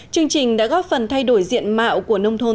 chương trình đã góp phần thay đổi diện mạo của nông thôn